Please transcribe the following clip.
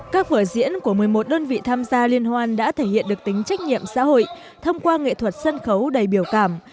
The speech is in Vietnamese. các vở diễn của một mươi một đơn vị tham gia liên hoan đã thể hiện được tính trách nhiệm xã hội thông qua nghệ thuật sân khấu đầy biểu cảm